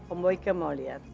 om boyke mau lihat